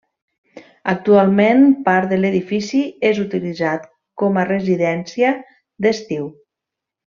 Actualment part de l'edifici és utilitzat com a residència d'estiu.